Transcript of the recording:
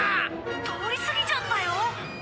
通り過ぎちゃったよ。